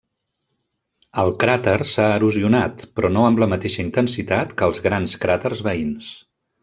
El cràter s'ha erosionat, però no amb la mateixa intensitat que els grans cràters veïns.